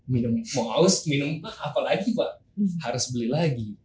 minum mau haus minum apa lagi pak harus beli lagi